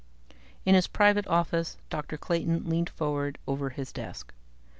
In his private office, Dr. Clayton leaned forward over his desk.